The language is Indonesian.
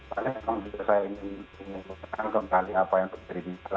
pada saat ini saya ingin mengembali apa yang terjadi di salemba